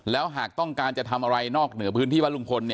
แล้วหากต้องการจะทำอะไรนอกเหนือพื้นที่บ้านลุงพล